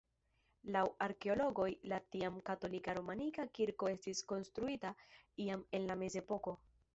Laŭ arkeologoj la tiam katolika romanika kirko estis konstruita iam en la mezepoko.